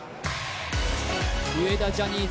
上田ジャニーズ